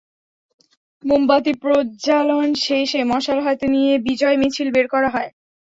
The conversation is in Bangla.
মোমবাতি প্রজ্বালন শেষে মশাল হাতে নিয়ে বিজয় মিছিল বের করা হয়।